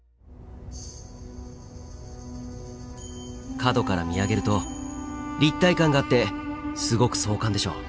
角から見上げると立体感があってすごく壮観でしょ？